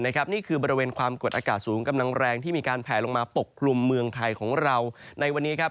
นี่คือบริเวณความกดอากาศสูงกำลังแรงที่มีการแผลลงมาปกกลุ่มเมืองไทยของเราในวันนี้ครับ